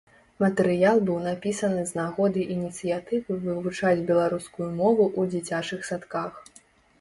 Матэрыял быў напісаны з нагоды ініцыятывы вывучаць беларускую мову ў дзіцячых садках.